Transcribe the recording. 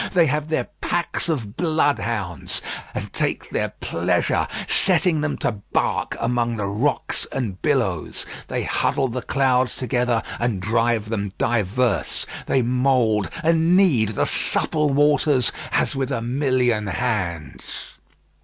They have their packs of bloodhounds, and take their pleasure, setting them to bark among the rocks and billows. They huddle the clouds together, and drive them diverse. They mould and knead the supple waters as with a million hands.